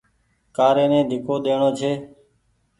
ڪآري ني ڍيڪو ڏيڻو ڇي۔